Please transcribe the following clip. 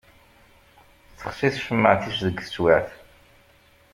Texṣi tcemmaεt-is deg teswiεt.